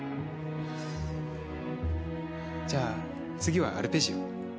じゃあ、次はアルペジオ。